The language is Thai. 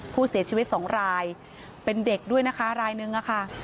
ผู้เสียชีวิตสองรายเป็นเด็กด้วยนะคะรายนึงค่ะ